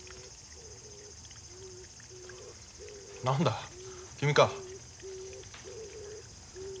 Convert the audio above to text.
何だ君か。